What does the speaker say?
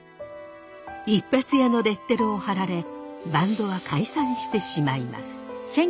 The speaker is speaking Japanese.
一発屋のレッテルを貼られバンドは解散してしまいます。